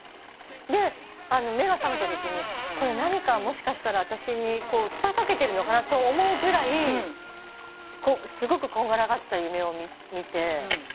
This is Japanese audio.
で目が覚めたときにこれ何かもしかしたら私に訴えかけてるのかなと思うぐらいすごくこんがらがった夢を見て。